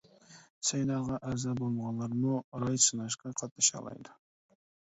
سەيناغا ئەزا بولمىغانلارمۇ راي سىناشقا قاتنىشالايدۇ.